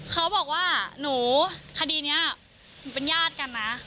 เขาบอกว่าหนูคดีนี้หนูเป็นญาติกันนะ